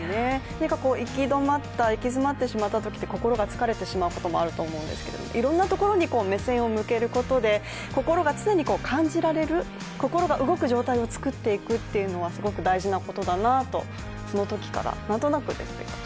何か行き詰まってしまったときとか、心が疲れてしまうことがあると思うんですけどいろんなところに目線を向けることで心が常に、感じられる心が動く状態を作っていくというのはすごく大事なことだなと、そのときからなんとなくですけど。